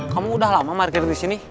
kamu udah lama parkir disini